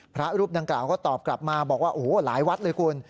พระรูปดังกล่าวก็ตอบกลับมาบอกว่าโอ้โหหลายวัดเลยคุณ